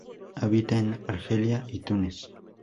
Habita en Argelia y Túnez.